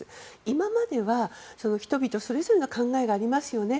今までは、人々それぞれの考えがありますよね